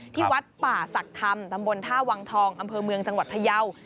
ที่วัดป่าศักดิ์คำตำบลท่าวังทองอำเภอเมืองจังหวัดพยาว